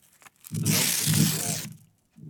The vote was for war.